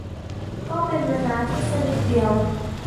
ก็เป็นเวลาที่สั้นนิดเดียว